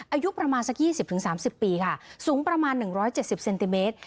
อายุประมาณสัก๒๐๓๐ปีค่ะสูงประมาณ๑๗๐เซนติเมตร